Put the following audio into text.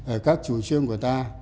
ở các chủ trương của ta